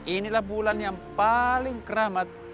inilah bulan yang paling keramat